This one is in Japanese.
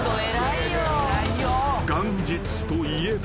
［元日といえば］